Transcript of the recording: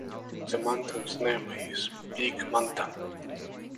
It is thus a unit of reciprocal length.